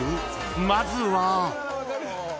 ［まずは］